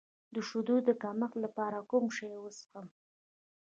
د شیدو د کمښت لپاره کوم چای وڅښم؟